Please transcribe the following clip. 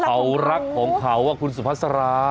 เขารักของเขาว่าคุณสุภัษฐ์สาระ